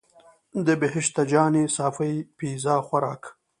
د بهشته جانې صافی پیزا خوراک.